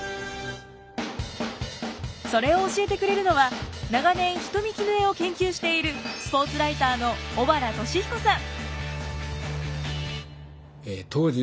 それを教えてくれるのは長年人見絹枝を研究しているスポーツライターの小原敏彦さん。